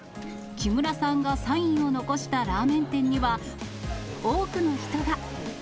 木村さんがサインを残したラーメン店には、多くの人が。